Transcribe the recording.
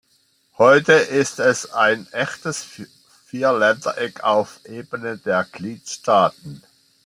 Heute ist es ein echtes Vierländereck auf Ebene der Gliedstaaten.